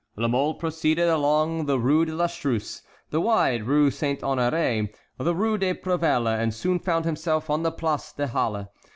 La Mole proceeded along the Rue de l'Astruce, the wide Rue Saint Honoré, the Rue des Prouvelles, and soon found himself on the Place des Halles.